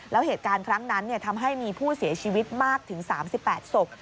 แล้วเหตุการณ์ครั้งนั้นทำให้มีผู้เสียชีวิตมากถึง๓๘ศพ